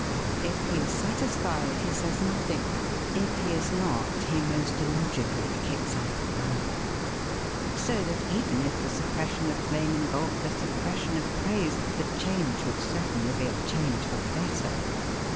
If he is satisfied he says nothing; if he is not, he most illogically kicks up a row. So that even if the suppression of blame involved the suppression of praise the change would certainly be a change for the better.